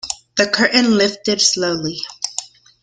The curtain lifted slowly.